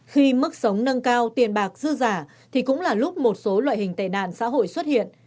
khi mức sống nâng cao tiền bạc dư giả thì cũng là lúc một số loại hình tệ nạn xã hội xuất hiện